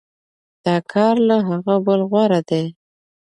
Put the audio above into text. دا کار له هغه بل غوره دی.